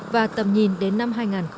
và tầm nhìn đến năm hai nghìn năm mươi